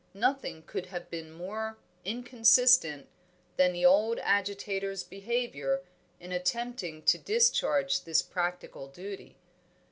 Nothing could have been more inconsistent than the old agitator's behaviour in attempting to discharge this practical duty.